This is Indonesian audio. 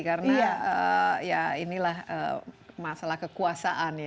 karena inilah masalah kekuasaan ya